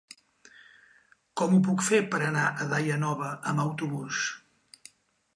Com ho puc fer per anar a Daia Nova amb autobús?